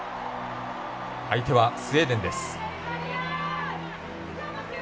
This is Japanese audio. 相手はスウェーデンです。